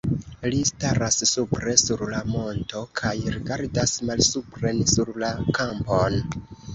Li staras supre sur la monto kaj rigardas malsupren sur la kampon.